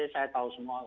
saya tahu semua